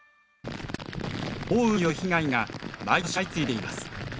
豪雨による被害が毎年相次いでいます。